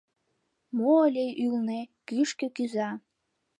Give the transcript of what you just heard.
Мо ыле ӱлнӧ — кӱшкӧ кӱза.